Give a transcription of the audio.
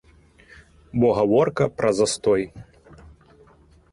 Бо гаворка пра застой.